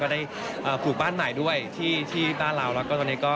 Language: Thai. แต่ถามอยากสะอาดกับใคร